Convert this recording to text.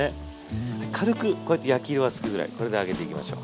軽くこうやって焼き色がつくぐらいこれで上げていきましょう。